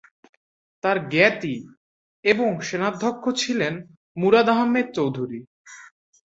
তার জ্ঞাতি এবং সেনাধ্যক্ষ ছিলেন মুরাদ আহমদ চৌধুরী।